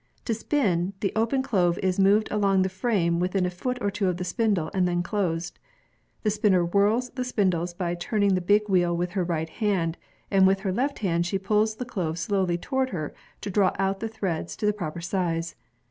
To spin, the open clove is moved along the frame within a foot or two of the spindles and then closed. The spinner whirls the spindles by turn ing the big wheel with her right hand, and w iLh her left hand she puDa the clove slowly toward her to draw out the threads to the proper dzc